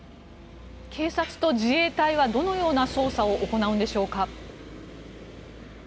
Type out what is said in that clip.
警察と自衛隊はどのような捜査を行うんでしょうか。